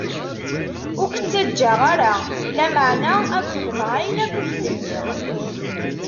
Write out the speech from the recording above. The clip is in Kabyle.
Ur k-ttaǧǧaɣ ara, lameɛna ad xedmeɣ ayen akk i k-d-nniɣ.